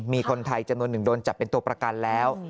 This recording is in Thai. มีคนไทยจำนวนหนึ่งโดนจับเป็นตัวประกันแล้ว